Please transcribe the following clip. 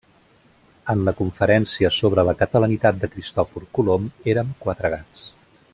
En la conferència sobre la catalanitat de Cristòfor Colom érem quatre gats.